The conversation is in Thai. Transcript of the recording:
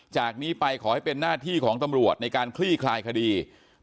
จากนี้ไปขอให้เป็นหน้าที่ของตำรวจในการคลี่คลายคดี